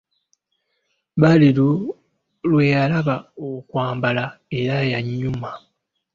Badru lwe yalaba okwambala era yanyuma.